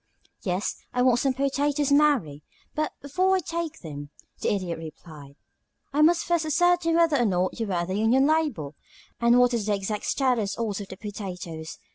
"Yes, I want some potatoes, Mary; but before I take them," the Idiot replied, "I must first ascertain whether or not you wear the union label, and what is the exact status also of the potatoes.